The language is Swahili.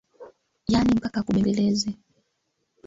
Yaani mpaka akubembeleze